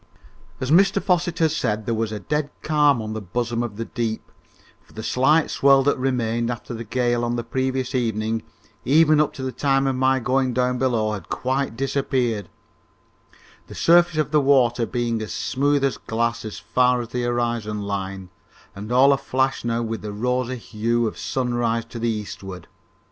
As Mr Fosset had said, there was a dead calm on the bosom of the deep, for the slight swell that remained after the gale on the previous evening, even up to the time of my going down below, had quite disappeared, the surface of the water being as smooth as glass as far as the horizon line and all aflash now with the rosy hue of sunrise to the eastward.